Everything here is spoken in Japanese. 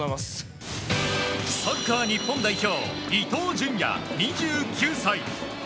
サッカー日本代表伊東純也、２９歳。